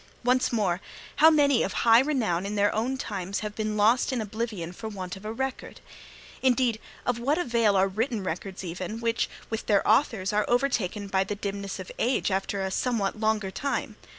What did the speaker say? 'Once more, how many of high renown in their own times have been lost in oblivion for want of a record! Indeed, of what avail are written records even, which, with their authors, are overtaken by the dimness of age after a somewhat longer time?